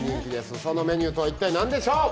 そのメニューとは一体何でしょう？